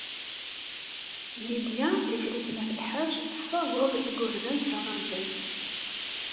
Lidya n Tifrit n At Lḥaǧ tessaweḍ igerdan s aɣerbaz.